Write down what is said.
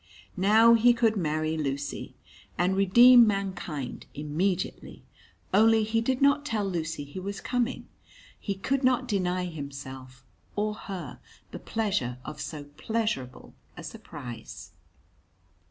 Now he could marry Lucy (and redeem mankind) immediately. Only he did not tell Lucy he was coming. He could not deny himself (or her) the pleasure of so pleasurable a surprise.